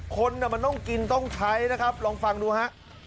คนมันต้องกินต้องใช้นะครับลองฟังดูฮะ